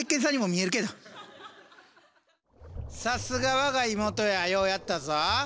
さすが我が妹やようやったぞ！